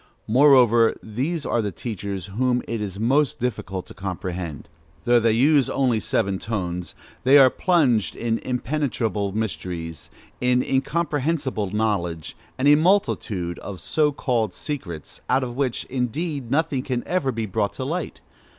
Moreover, these are the teachers whom it is most difficult to comprehend. Though they use only seven tones, they are plunged in impenetrable mysteries, in incomprehensible knowledge and a multitude of so called secrets, out of which, indeed, nothing can ever be brought to light.